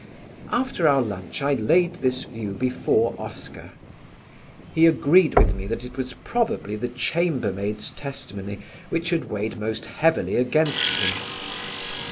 After our lunch I laid this view before Oscar. He agreed with me that it was probably the chambermaids' testimony which had weighed most heavily against him.